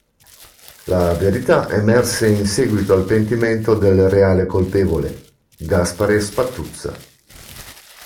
La verità emerse in seguito al pentimento del reale colpevole, Gaspare Spatuzza.